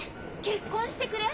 「結婚してくれ」？